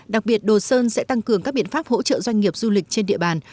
đặc biệt đồ sơn sẽ tăng cường các biện pháp hỗ trợ doanh nghiệp du lịch trên địa bàn